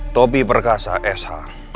tobi perkasa sh